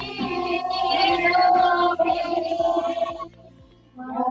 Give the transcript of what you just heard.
daniar ahri jakarta